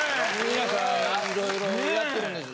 皆さんいろいろやってるんです。